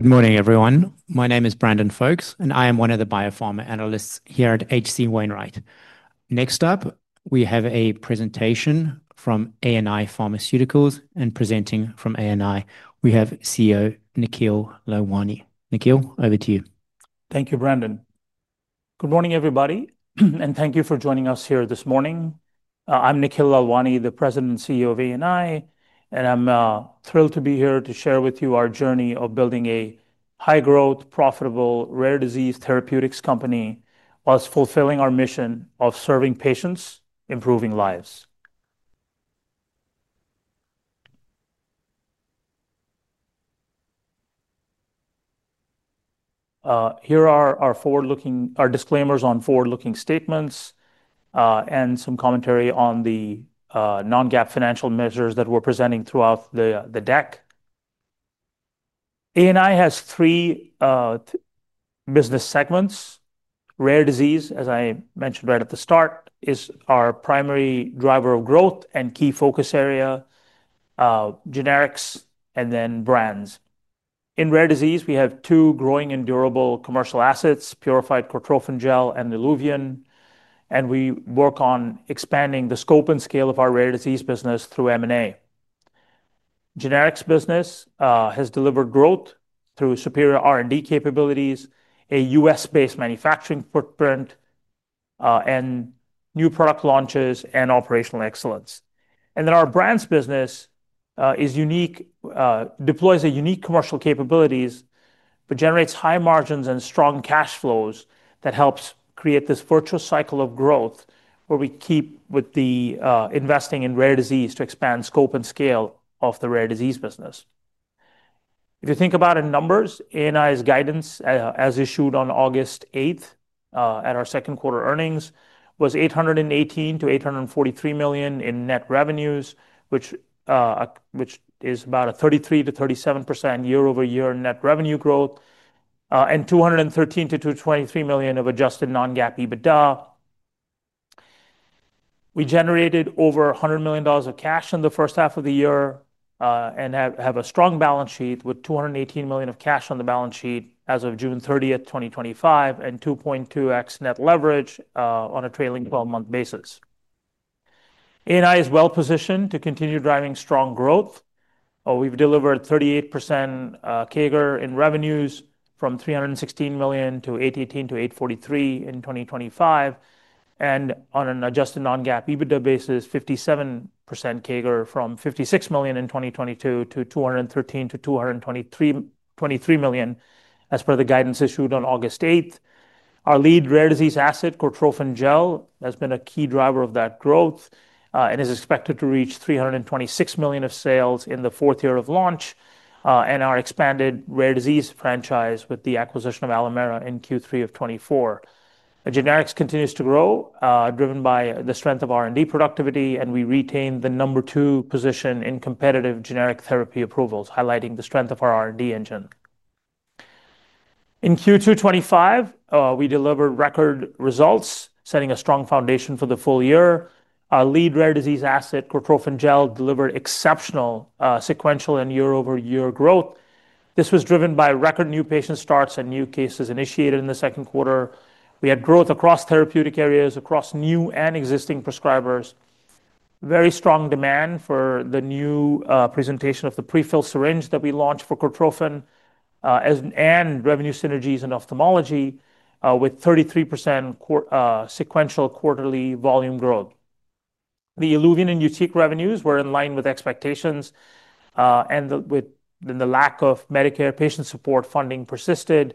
Good morning, everyone. My name is Brandon Foulks, and I am one of the biopharma analysts here at HC Wainwright. Next up, we have a presentation from ANI Pharmaceuticals, and presenting from ANI, we have CEO Nikhil Lalwani. Nikhil, over to you. Thank you, Brandon. Good morning, everybody, and thank you for joining us here this morning. I'm Nikhil Lalwani, the President and CEO of ANI Pharmaceuticals, and I'm thrilled to be here to share with you our journey of building a high-growth, profitable, rare disease therapeutics company while fulfilling our mission of serving patients, improving lives. Here are our forward-looking disclaimers on forward-looking statements and some commentary on the non-GAAP financial measures that we're presenting throughout the deck. ANI Pharmaceuticals has three business segments. Rare disease, as I mentioned right at the start, is our primary driver of growth and key focus area: generics and then brands. In rare disease, we have two growing and durable commercial assets: Purified Cortrophin Gel and ILUVIEN, and we work on expanding the scope and scale of our rare disease business through M&A. The generics business has delivered growth through superior R&D capabilities, a U.S.-based manufacturing footprint, new product launches, and operational excellence. Our brands business deploys unique commercial capabilities but generates high margins and strong cash flows that help create this virtuous cycle of growth where we keep investing in rare disease to expand the scope and scale of the rare disease business. If you think about it in numbers, ANI Pharmaceuticals' guidance, as issued on August 8 at our second quarter earnings, was $818 million to $843 million in net revenues, which is about a 33% to 37% year-over-year net revenue growth, and $213 million to $223 million of adjusted non-GAAP EBITDA. We generated over $100 million of cash in the first half of the year and have a strong balance sheet with $218 million of cash on the balance sheet as of June 30, 2025, and 2.2x net leverage on a trailing 12-month basis. ANI Pharmaceuticals is well positioned to continue driving strong growth. We've delivered 38% CAGR in revenues from $316 million to $818 million to $843 million in 2025, and on an adjusted non-GAAP EBITDA basis, 57% CAGR from $56 million in 2022 to $213 million to $223 million as per the guidance issued on August 8. Our lead rare disease asset, Purified Cortrophin Gel, has been a key driver of that growth and is expected to reach $326 million of sales in the fourth year of launch and our expanded rare disease franchise with the acquisition of Alimera Sciences in Q3 of 2024. Generics continues to grow, driven by the strength of R&D productivity, and we retain the number two position in competitive generic therapy approvals, highlighting the strength of our R&D engine. In Q2 2025, we delivered record results, setting a strong foundation for the full year. Our lead rare disease asset, Purified Cortrophin Gel, delivered exceptional sequential and year-over-year growth. This was driven by record new patient starts and new cases initiated in the second quarter. We had growth across therapeutic areas, across new and existing prescribers, very strong demand for the new presentation of the prefilled syringe that we launched for Purified Cortrophin Gel, and revenue synergies in ophthalmology with 33% sequential quarterly volume growth. The ILUVIEN and YUTIQ revenues were in line with expectations, and with the lack of Medicare patient support, funding persisted.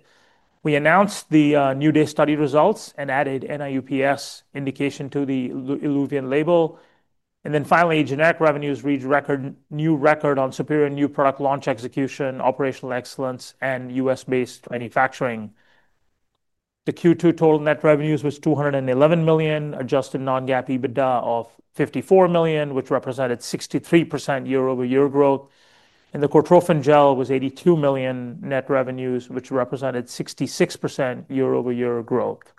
We announced the NEW DAY study results and added NIU-PS indication to the ILUVIEN label. Finally, generics revenues reached a new record on superior new product launch execution, operational excellence, and U.S.-based manufacturing. The Q2 total net revenues was $211 million, adjusted non-GAAP EBITDA of $54 million, which represented 63% year-over-year growth. Purified Cortrophin Gel was $82 million net revenues, which represented 66% year-over-year growth.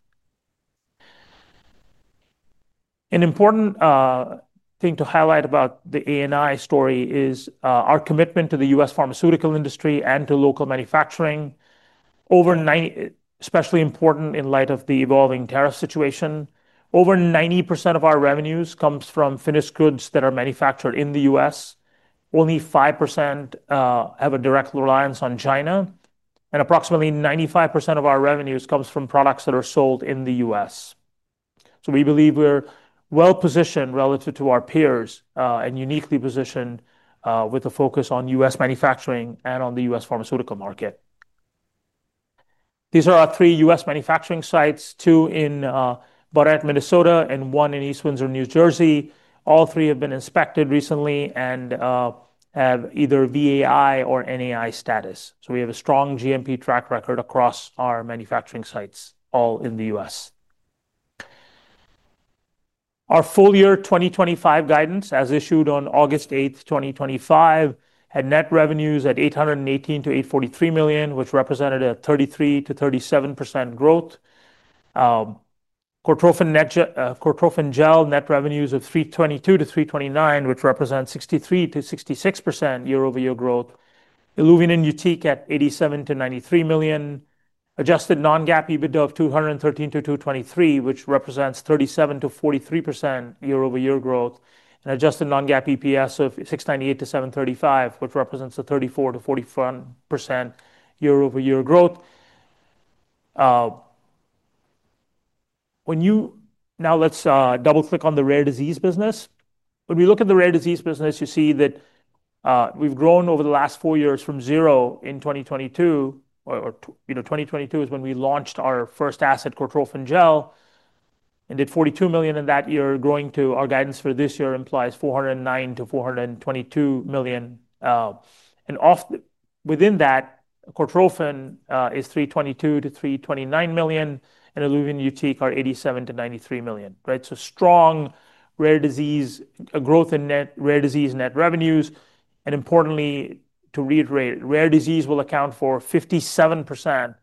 An important thing to highlight about the ANI Pharmaceuticals story is our commitment to the U.S. pharmaceutical industry and to local manufacturing, especially important in light of the evolving tariff situation. Over 90% of our revenues come from finished goods that are manufactured in the U.S. Only 5% have a direct reliance on China, and approximately 95% of our revenues come from products that are sold in the U.S. We believe we're well positioned relative to our peers and uniquely positioned with a focus on U.S. manufacturing and on the U.S. pharmaceutical market. These are our three U.S. manufacturing sites, two in Baudette, Minnesota, and one in East Windsor, New Jersey. All three have been inspected recently and have either VAI or NAI status. We have a strong GMP track record across our manufacturing sites, all in the U.S. Our full year 2025 guidance, as issued on August 8, 2025, had net revenues at $818 million to $843 million, which represented a 33% to 37% growth. Purified Cortrophin Gel net revenues of $322 million to $329 million, which represents 63% to 66% year-over-year growth. ILUVIEN and YUTIQ at $87 million to $93 million. Adjusted non-GAAP EBITDA of $213 million to $223 million, which represents 37% to 43% year-over-year growth. Adjusted non-GAAP EPS of $6.98 to $7.35, which represents a 34% to 45% year-over-year growth. Now let's double-click on the rare disease business. When we look at the rare disease business, you see that we've grown over the last four years from zero in 2022, or 2022 is when we launched our first asset, Purified Cortrophin Gel, and did $42 million in that year, growing to our guidance for this year implies $409 to $422 million. Within that, Purified Cortrophin Gel is $322 to $329 million, and ILUVIEN and YUTIQ are $87 to $93 million. Strong rare disease growth in net rare disease net revenues. Importantly, to reiterate, rare disease will account for 57%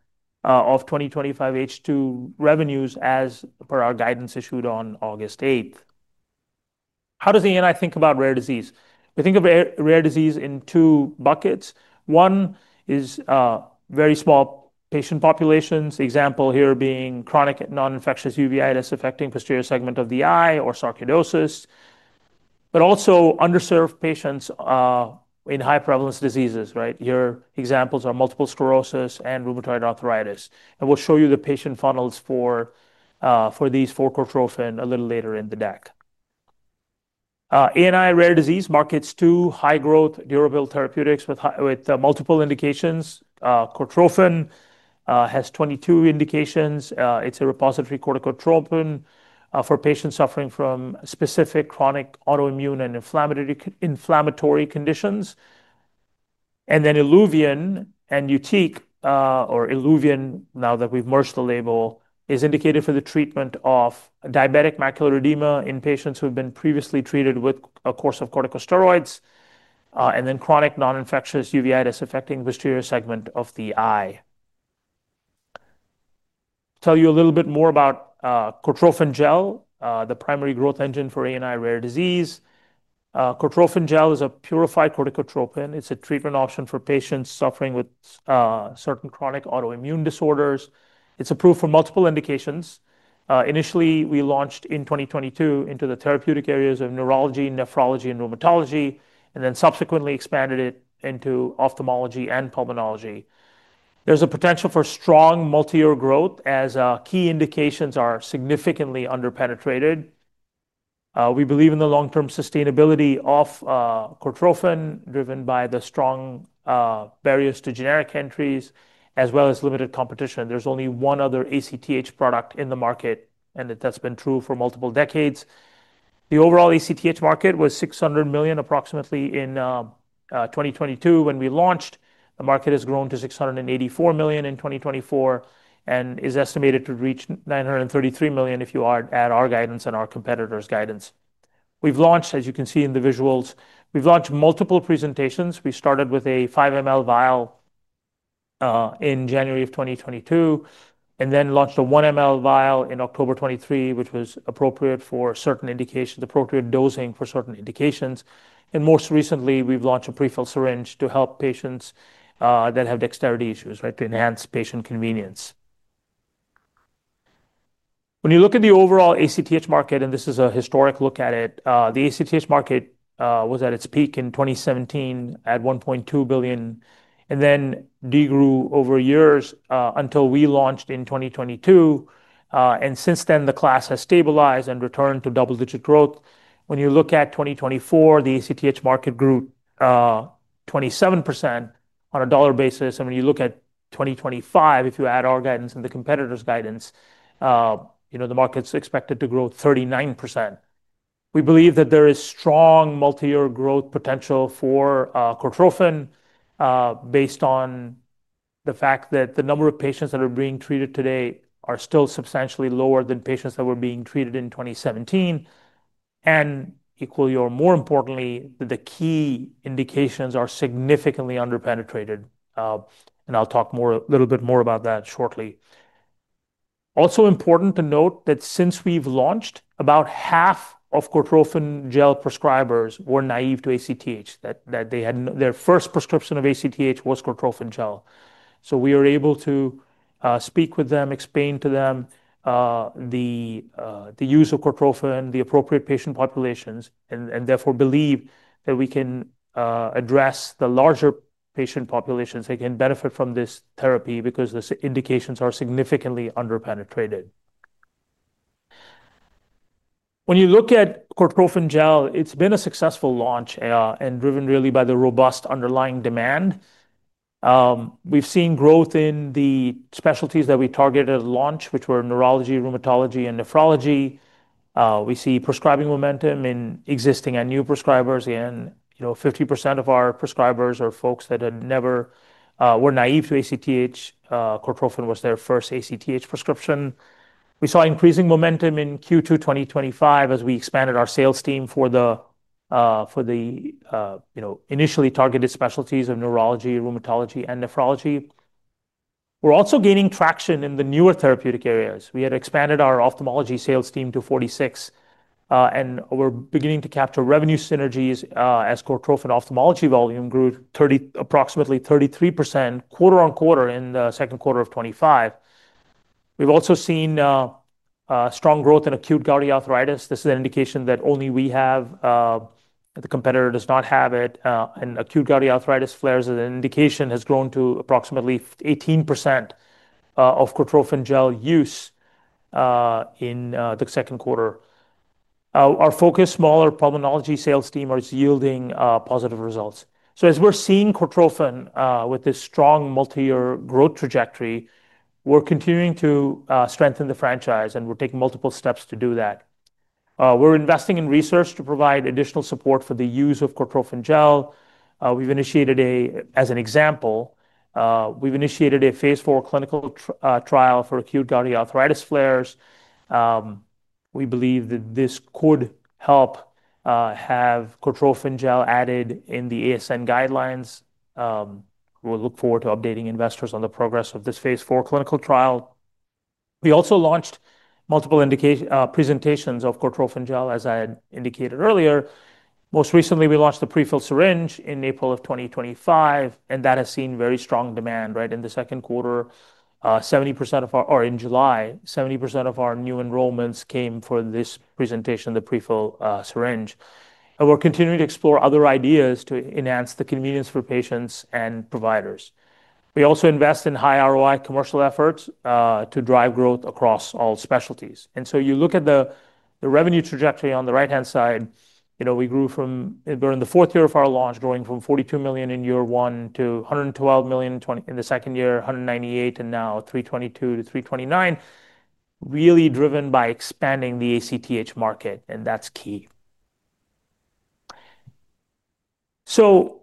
of 2025 H2 revenues as per our guidance issued on August 8. How does ANI think about rare disease? We think of rare disease in two buckets. One is very small patient populations, example here being chronic non-infectious uveitis affecting the posterior segment of the eye or sarcoidosis, but also underserved patients in high prevalence diseases. Here examples are multiple sclerosis and rheumatoid arthritis. We'll show you the patient funnels for these for Purified Cortrophin Gel a little later in the deck. ANI rare disease markets two high-growth durable therapeutics with multiple indications. Purified Cortrophin Gel has 22 indications. It's a repository corticotropin for patients suffering from specific chronic autoimmune and inflammatory conditions. ILUVIEN and YUTIQ, or ILUVIEN, now that we've merged the label, is indicated for the treatment of diabetic macular edema in patients who have been previously treated with a course of corticosteroids, and chronic non-infectious uveitis affecting the posterior segment of the eye. I'll tell you a little bit more about Purified Cortrophin Gel, the primary growth engine for ANI rare disease. Purified Cortrophin Gel is a purified corticotropin. It's a treatment option for patients suffering with certain chronic autoimmune disorders. It's approved for multiple indications. Initially, we launched in 2022 into the therapeutic areas of neurology, nephrology, and rheumatology, and subsequently expanded it into ophthalmology and pulmonology. There's a potential for strong multi-year growth as key indications are significantly underpenetrated. We believe in the long-term sustainability of Purified Cortrophin Gel, driven by the strong barriers to generic entries, as well as limited competition. There's only one other ACTH product in the market, and that's been true for multiple decades. The overall ACTH market was $600 million, approximately, in 2022 when we launched. The market has grown to $684 million in 2024 and is estimated to reach $933 million if you add our guidance and our competitor's guidance. We've launched, as you can see in the visuals, we've launched multiple presentations. We started with a 5 mL vial in January of 2022 and then launched a 1 mL vial in October 2023, which was appropriate for certain indications, appropriate dosing for certain indications. Most recently, we've launched a prefilled syringe to help patients that have dexterity issues, to enhance patient convenience. When you look at the overall ACTH market, and this is a historic look at it, the ACTH market was at its peak in 2017 at $1.2 billion and then degrew over years until we launched in 2022. Since then, the class has stabilized and returned to double-digit growth. When you look at 2024, the ACTH market grew 27% on a dollar basis. When you look at 2025, if you add our guidance and the competitor's guidance, the market's expected to grow 39%. We believe that there is strong multi-year growth potential for cortrophin based on the fact that the number of patients that are being treated today are still substantially lower than patients that were being treated in 2017. Equally or more importantly, the key indications are significantly underpenetrated. I'll talk a little bit more about that shortly. Also important to note that since we've launched, about half of cortrophin gel prescribers were naive to ACTH, that their first prescription of ACTH was cortrophin gel. We are able to speak with them, explain to them the use of cortrophin, the appropriate patient populations, and therefore believe that we can address the larger patient populations that can benefit from this therapy because the indications are significantly underpenetrated. When you look at cortrophin gel, it's been a successful launch and driven really by the robust underlying demand. We've seen growth in the specialties that we targeted at launch, which were neurology, rheumatology, and nephrology. We see prescribing momentum in existing and new prescribers. 50% of our prescribers are folks that were naive to ACTH. Cortrophin was their first ACTH prescription. We saw increasing momentum in Q2 2025 as we expanded our sales team for the initially targeted specialties of neurology, rheumatology, and nephrology. We're also gaining traction in the newer therapeutic areas. We had expanded our ophthalmology sales team to 46, and we're beginning to capture revenue synergies as Cortrophin ophthalmology volume grew approximately 33% quarter on quarter in the second quarter of 2025. We've also seen strong growth in acute gouty arthritis. This is an indication that only we have, the competitor does not have it. Acute gouty arthritis flares as an indication has grown to approximately 18% of Cortrophin Gel use in the second quarter. Our focused smaller pulmonology sales team is yielding positive results. As we're seeing Cortrophin with this strong multi-year growth trajectory, we're continuing to strengthen the franchise, and we're taking multiple steps to do that. We're investing in research to provide additional support for the use of Cortrophin Gel. As an example, we've initiated a phase IV clinical trial for acute gouty arthritis flares. We believe that this could help have Cortrophin Gel added in the ASN guidelines. We look forward to updating investors on the progress of this phase IV clinical trial. We also launched multiple presentations of Cortrophin Gel, as I had indicated earlier. Most recently, we launched the prefilled syringe in April of 2025, and that has seen very strong demand. In the second quarter, 70% of our, or in July, 70% of our new enrollments came for this presentation, the prefilled syringe. We're continuing to explore other ideas to enhance the convenience for patients and providers. We also invest in high ROI commercial efforts to drive growth across all specialties. You look at the revenue trajectory on the right-hand side. We grew from, we're in the fourth year of our launch, growing from $42 million in year one to $112 million in the second year, $198 million, and now $322 to $329 million, really driven by expanding the ACTH market, and that's key.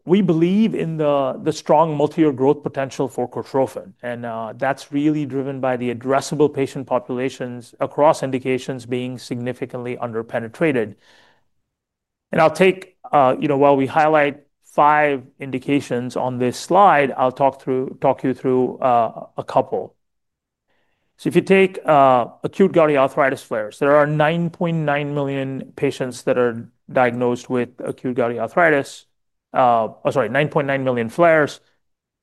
We believe in the strong multi-year growth potential for Cortrophin, and that's really driven by the addressable patient populations across indications being significantly underpenetrated. While we highlight five indications on this slide, I'll talk you through a couple. If you take acute gouty arthritis flares, there are 9.9 million patients that are diagnosed with acute gouty arthritis, or sorry, 9.9 million flares.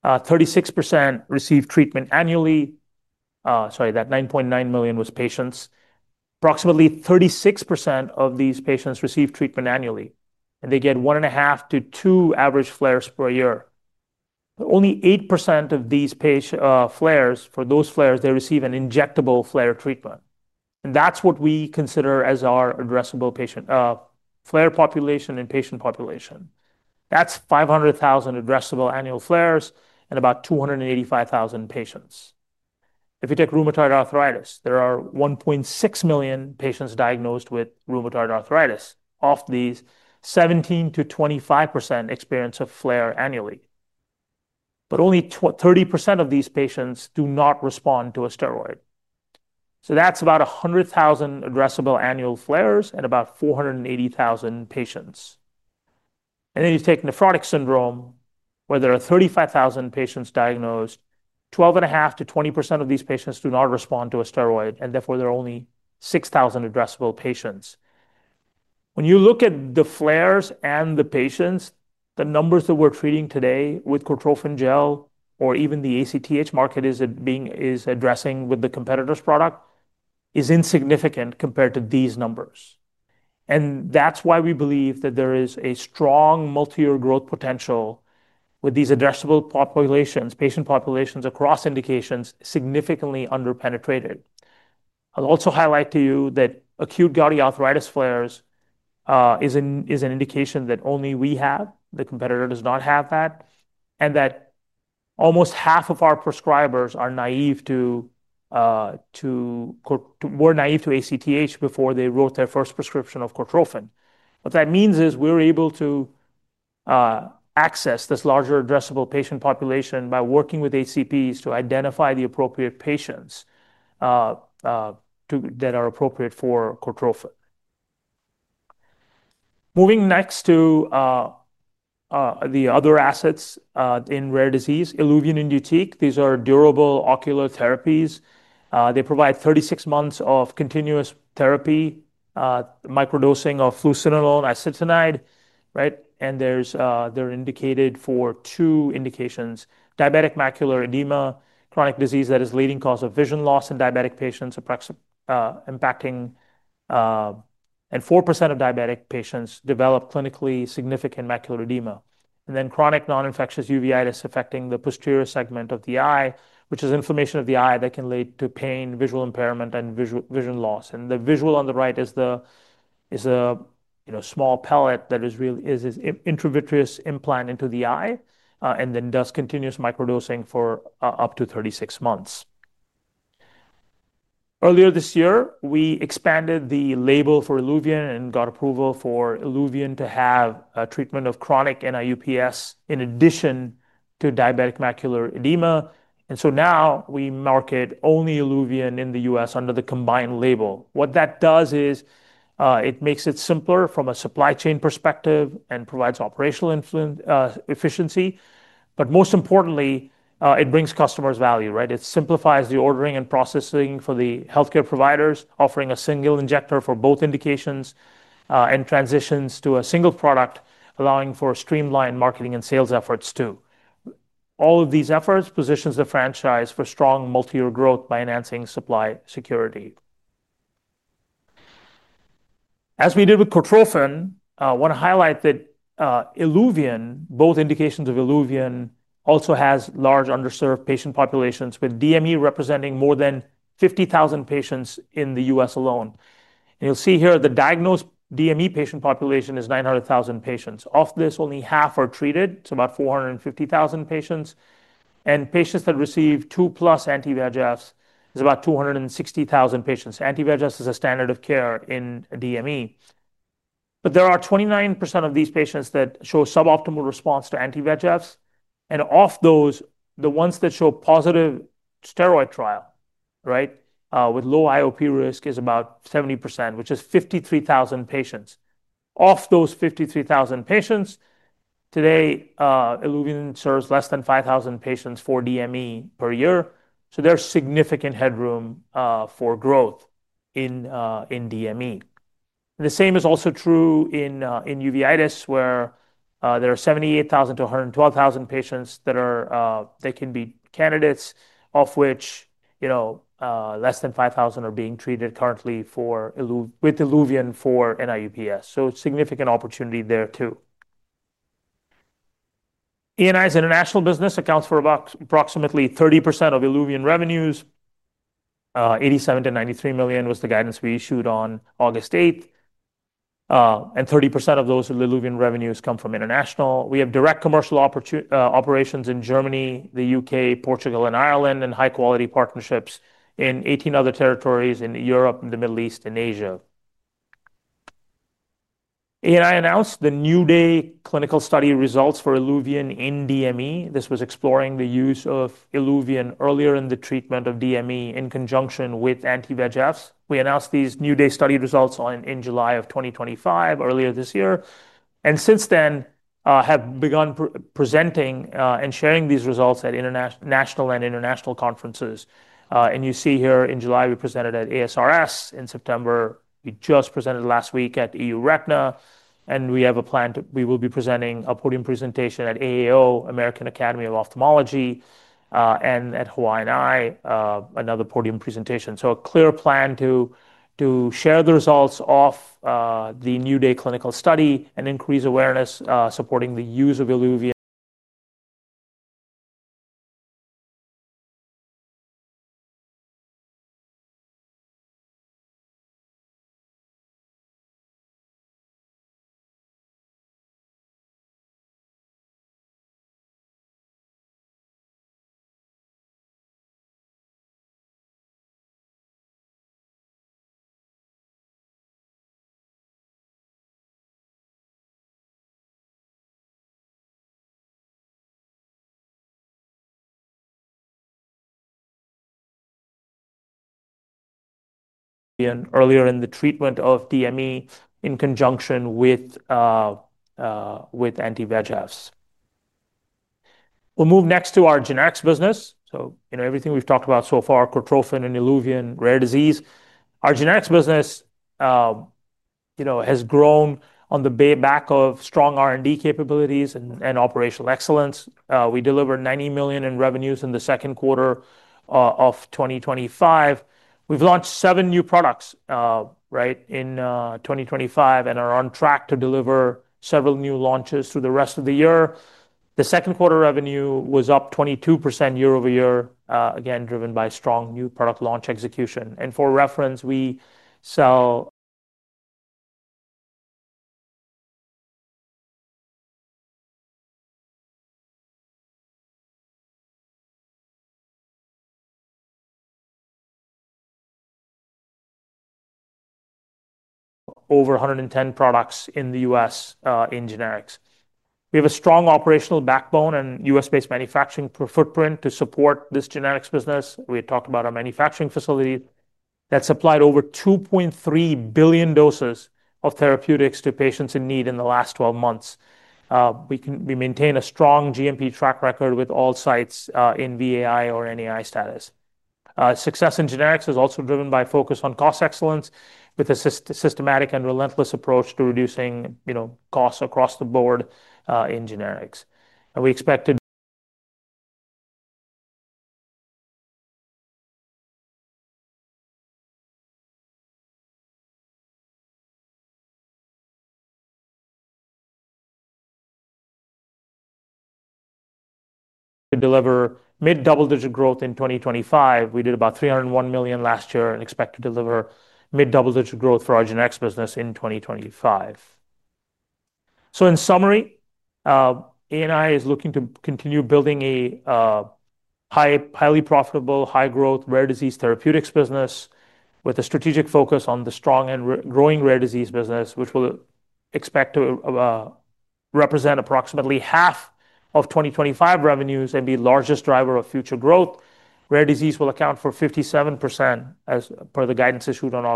36% receive treatment annually. Sorry, that 9.9 million was patients. Approximately 36% of these patients receive treatment annually, and they get one and a half to two average flares per year. Only 8% of these flares, for those flares, they receive an injectable flare treatment. That's what we consider as our addressable flare population and patient population. That's 500,000 addressable annual flares and about 285,000 patients. If you take rheumatoid arthritis, there are 1.6 million patients diagnosed with rheumatoid arthritis. Of these, 17% to 25% experience a flare annually. Only 30% of these patients do not respond to a steroid, so that's about 100,000 addressable annual flares and about 480,000 patients. Then you take nephrotic syndrome, where there are 35,000 patients diagnosed, 12.5% to 20% of these patients do not respond to a steroid, and therefore there are only 6,000 addressable patients. When you look at the flares and the patients, the numbers that we're treating today with Purified Cortrophin Gel, or even the ACTH market is addressing with the competitor's product, is insignificant compared to these numbers. That's why we believe that there is a strong multi-year growth potential with these addressable patient populations across indications significantly underpenetrated. I'll also highlight to you that acute gouty arthritis flares is an indication that only we have, the competitor does not have that, and that almost half of our prescribers were naive to ACTH before they wrote their first prescription of Cortrophin. What that means is we're able to access this larger addressable patient population by working with ACPs to identify the appropriate patients that are appropriate for Cortrophin. Moving next to the other assets in rare disease, ILUVIEN and YUTIQ, these are durable ocular therapies. They provide 36 months of continuous therapy, microdosing of fluocinolone acetonide, and they're indicated for two indications: diabetic macular edema, chronic disease that is the leading cause of vision loss in diabetic patients, and 4% of diabetic patients develop clinically significant macular edema. Chronic non-infectious uveitis affecting the posterior segment of the eye is inflammation of the eye that can lead to pain, visual impairment, and vision loss. The visual on the right is a small pellet that is an intravitreal implant into the eye and then does continuous microdosing for up to 36 months. Earlier this year, we expanded the label for ILUVIEN and got approval for ILUVIEN to have treatment of chronic non-infectious uveitis affecting the posterior segment in addition to diabetic macular edema. We market only ILUVIEN in the U.S. under the combined label. What that does is it makes it simpler from a supply chain perspective and provides operational efficiency. Most importantly, it brings customers value. It simplifies the ordering and processing for the healthcare providers, offering a single injector for both indications and transitions to a single product, allowing for streamlined marketing and sales efforts too. All of these efforts position the franchise for strong multi-year growth by enhancing supply security. As we did with Cortrophin, I want to highlight that both indications of ILUVIEN also have large underserved patient populations with DME representing more than 50,000 patients in the U.S. alone. You'll see here the diagnosed DME patient population is 900,000 patients. Of this, only half are treated. It's about 450,000 patients. Patients that receive two plus anti-VEGFs is about 260,000 patients. Anti-VEGF is a standard of care in DME. There are 29% of these patients that show suboptimal response to anti-VEGFs. Of those, the ones that show positive steroid trial with low IOP risk is about 70%, which is 53,000 patients. Of those 53,000 patients, today ILUVIEN serves less than 5,000 patients for DME per year. There's significant headroom for growth in DME. The same is also true in uveitis, where there are 78,000 to 112,000 patients that can be candidates, of which less than 5,000 are being treated currently with ILUVIEN for NIU. Significant opportunity there too. ANI's international business accounts for approximately 30% of ILUVIEN revenues. $87 to $93 million was the guidance we issued on August 8. 30% of those ILUVIEN revenues come from international. We have direct commercial operations in Germany, the UK, Portugal, and Ireland, and high-quality partnerships in 18 other territories in Europe, the Middle East, and Asia. ANI announced the NEW DAY clinical study results for ILUVIEN in DME. This was exploring the use of ILUVIEN earlier in the treatment of DME in conjunction with anti-VEGFs. We announced these NEW DAY study results in July of 2025, earlier this year. Since then, we have begun presenting and sharing these results at national and international conferences. In July, we presented at ASRS. In September, we just presented last week at EURETINA. We have a plan to present a podium presentation at AAO, American Academy of Ophthalmology, and at Hawaiian Eye, another podium presentation. There is a clear plan to share the results of the NEW DAY clinical study and increase awareness supporting the use of ILUVIEN earlier in the treatment of DME in conjunction with anti-VEGFs. Next, we will move to our generics business. Everything we've talked about so far, Purified Cortrophin Gel and ILUVIEN, is rare disease. Our generics business has grown on the back of strong R&D capabilities and operational excellence. We delivered $90 million in revenues in the second quarter of 2025. We've launched seven new products in 2025 and are on track to deliver several new launches through the rest of the year. The second quarter revenue was up 22% year over year, again driven by strong new product launch execution. For reference, we sell over 110 products in the U.S. in generics. We have a strong operational backbone and U.S.-based manufacturing footprint to support this generics business. We had talked about our manufacturing facility that supplied over 2.3 billion doses of therapeutics to patients in need in the last 12 months. We maintain a strong GMP track record with all sites in VAI or NAI status. Success in generics is also driven by a focus on cost excellence with a systematic and relentless approach to reducing costs across the board in generics. We expect to deliver mid-double-digit growth in 2025. We did about $301 million last year and expect to deliver mid-double-digit growth for our generics business in 2025. In summary, ANI is looking to continue building a highly profitable, high-growth rare disease therapeutics business with a strategic focus on the strong and growing rare disease business, which we expect to represent approximately half of 2025 revenues and be the largest driver of future growth. Rare disease will account for 57% as per the guidance issued on August.